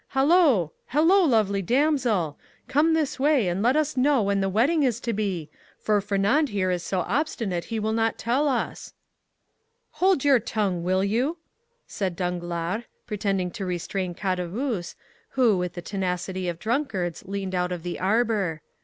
hello, lovely damsel! Come this way, and let us know when the wedding is to be, for Fernand here is so obstinate he will not tell us." "Hold your tongue, will you?" said Danglars, pretending to restrain Caderousse, who, with the tenacity of drunkards, leaned out of the arbor.